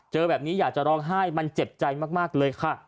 เจอแบบนี้อยากจะร้องไห้มันเจ็บใจมากเลยค่ะ